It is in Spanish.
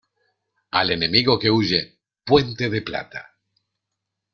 Al enemigo que huye, puente de plata.